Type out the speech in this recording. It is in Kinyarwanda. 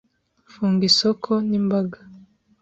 Funga isoko n'imbaga